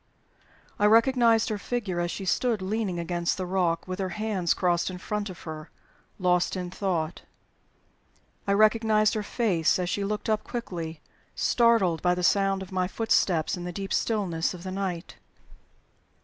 I recognized her figure as she stood leaning against the rock, with her hands crossed in front of her, lost in thought. I recognized her face as she looked up quickly, startled by the sound of my footsteps in the deep stillness of the night.